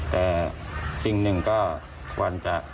แต่จริงหนึ่งก็